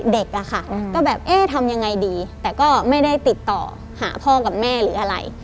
เด็กอะค่ะก็แบบเอ๊ะทำยังไงดีแต่ก็ไม่ได้ติดต่อหาพ่อกับแม่หรืออะไร